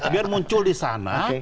biar muncul di sana